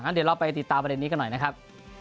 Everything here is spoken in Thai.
เดี๋ยวเราไปติดตามประเด็นนี้กันหน่อยนะครับ